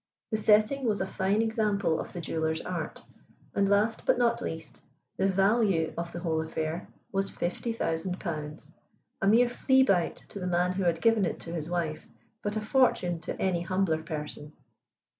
The setting was a fine example of the jeweller's art, and last, but not least, the value of the whole affair was fifty thousand pounds, a mere flea bite to the man who had given it to his wife, but a fortune to any humbler person.